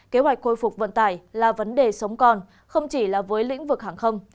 kế hoạch khôi phục vận tải là vấn đề sống còn không chỉ là với lĩnh vực hàng không